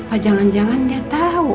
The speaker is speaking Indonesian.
ah jangan jangan dia tau